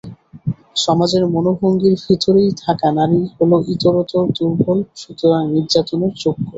সমাজের মনোভঙ্গির ভেতরেই থাকা নারী হলো ইতরতর, দুর্বল, সুতরাং নির্যাতনের যোগ্য।